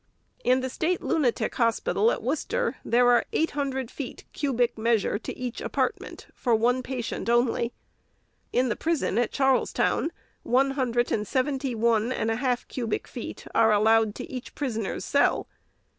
In the State Lunatic Hospital at Worcester, there are eight hundred feet cubic measure to each apartment, for one patient * See Appendix B and C. 442 REPORT OF THE SECRETARY only. Iii the Prison at Charlestown, one huncred and seventy one and a half cubic feet are allowed to each prisoner's cell.